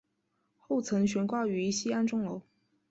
后曾悬挂于西安钟楼。